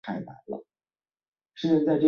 现存的开建古城始建于明洪武初年。